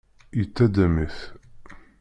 Yettaddam-it.